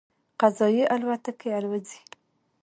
"فضايي الوتکې" الوځولې.